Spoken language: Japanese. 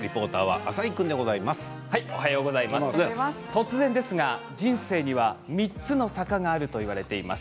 突然ですが人生には３つの坂があるといわれています。